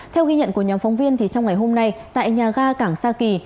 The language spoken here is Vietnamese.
theo ghi nhận của nhóm phóng viên trong ngày hôm nay tại nhà ga cảng sa kỳ